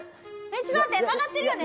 ちょっと待って曲がってるよね